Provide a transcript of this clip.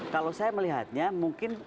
kalau saya melihatnya mungkin